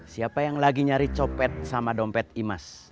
siapa yang lagi nyari copet sama dompet imas